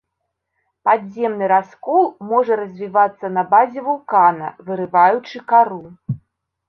Падземны раскол можа развівацца на базе вулкана, вырываючы кару.